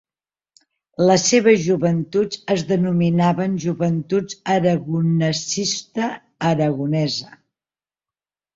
Les seves joventuts es denominaven Joventuts Aragonesista Aragonesa.